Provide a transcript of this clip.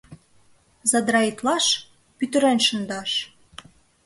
Задраитлаш — пӱтырен шындаш